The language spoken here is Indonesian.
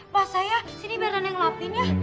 pas saya sini biar nenek ngelapin ya